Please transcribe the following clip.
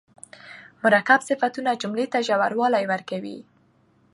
مرکب صفتونه جملې ته ژوروالی ورکوي.